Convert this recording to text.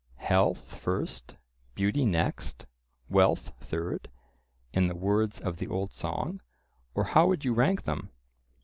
"Health first, beauty next, wealth third," in the words of the old song, or how would you rank them?